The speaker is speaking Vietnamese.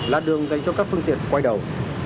là đường dành cho các phương tiện quay đầu